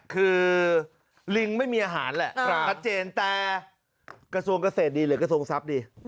คือลิงไม่มีอาหารแหละชัดเจนแต่กระทรวงเกษตรดีหรือกระทรวงทรัพย์ดี